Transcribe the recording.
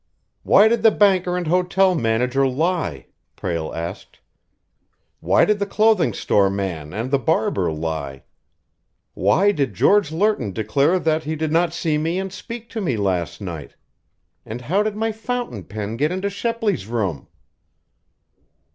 "Why did the banker and hotel manager lie?" Prale asked. "Why did the clothing store man and the barber lie? Why did George Lerton declare that he did not see me and speak to me last night? And how did my fountain pen get into Shepley's room?"